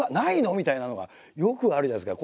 みたいなのがよくあるじゃないですか。